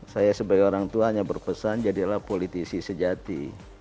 saya sebagai orang tua hanya berpesan jadilah politisi sejati